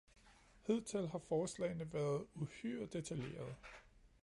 Hidtil har forslagene været uhyre detaljerede.